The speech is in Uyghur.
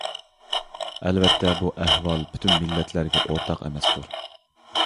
ئەلۋەتتە، بۇ ئەھۋال پۈتۈن مىللەتلەرگە ئورتاق ئەمەستۇر.